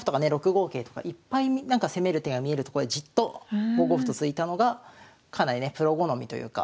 ６五桂とかいっぱい攻める手が見えるとこでじっと５五歩と突いたのがかなりねプロ好みというか。